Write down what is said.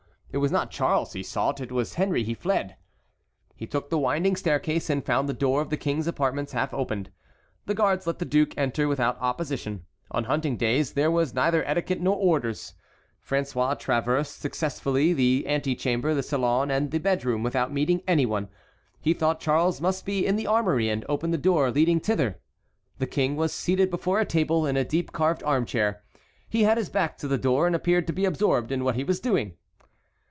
It was not Charles he sought—it was Henry he fled. He took the winding staircase and found the door of the King's apartments half opened. The guards let the duke enter without opposition. On hunting days there was neither etiquette nor orders. François traversed successively the antechamber, the salon, and the bedroom without meeting any one. He thought Charles must be in the armory and opened the door leading thither. The King was seated before a table, in a deep carved armchair. He had his back to the door, and appeared to be absorbed in what he was doing.